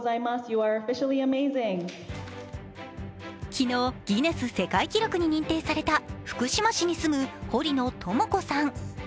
昨日、ギネス世界記録に認定された福島市に住む堀野智子さん。